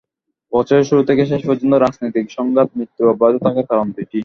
বছরের শুরু থেকে শেষ পর্যন্ত রাজনৈতিক সংঘাতে মৃত্যু অব্যাহত থাকার কারণ দুটো।